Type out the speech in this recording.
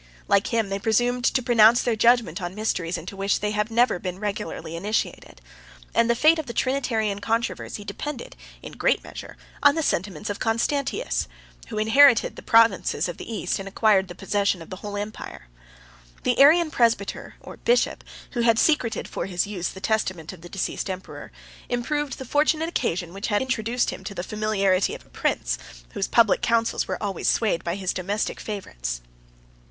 Like him they presumed to pronounce their judgment on mysteries into which they had never been regularly initiated; 85 and the fate of the Trinitarian controversy depended, in a great measure, on the sentiments of Constantius; who inherited the provinces of the East, and acquired the possession of the whole empire. The Arian presbyter or bishop, who had secreted for his use the testament of the deceased emperor, improved the fortunate occasion which had introduced him to the familiarity of a prince, whose public counsels were always swayed by his domestic favorites.